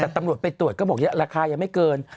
แต่ตำรวจไปตรวจก็บอกราคายังไม่เกิน